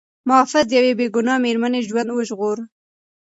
محافظ د یوې بې ګناه مېرمنې ژوند وژغوره.